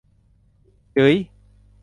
จึ๋ย